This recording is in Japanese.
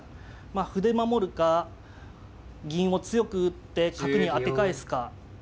まあ歩で守るか銀を強く打って角に当て返すか。